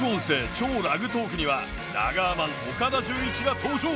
「＃超ラグトーク」にはラガーマン岡田准一が登場。